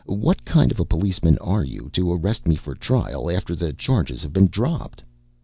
What kind of a policeman are you to arrest me for trial after the charges have been dropped?"